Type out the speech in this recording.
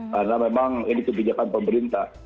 karena memang ini kebijakan pemerintah